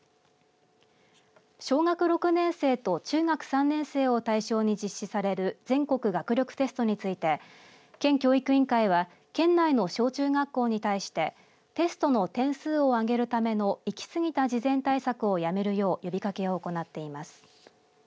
小学６年生と中学３年生を対象に実施される全国学力テストについて県教育委員会は県内の小中学校に対してテストの点数を上げるための行き過ぎた事前対策をやめるよう呼びかけを行っています。